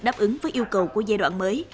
đáp ứng với yêu cầu của giai đoạn mới